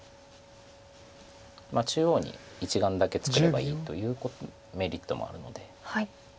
中央に１眼だけ作ればいいというメリットもあるので。